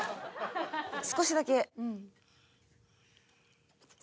少しだけ。